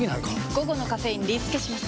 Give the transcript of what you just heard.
午後のカフェインリスケします！